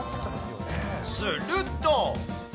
すると。